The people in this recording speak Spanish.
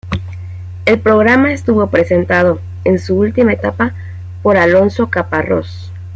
El programa estuvo presentado en su última etapa por Alonso Caparrós.